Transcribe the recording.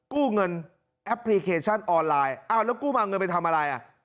กู้เงินแอปพลิเคชันออนไลน์อ้าวแล้วกู้มาเอาเงินไปทำอะไรอ่ะ